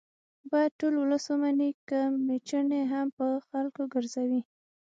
باید ټول ولس ومني که میچنې هم په خلکو ګرځوي